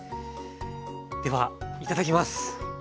ではいただきます。